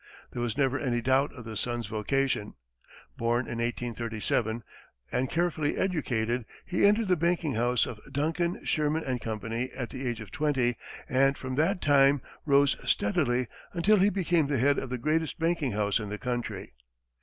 There was never any doubt of the son's vocation. Born in 1837, and carefully educated, he entered the banking house of Duncan, Sherman & Co. at the age of twenty, and from that time, rose steadily, until he became the head of the greatest banking house in the country.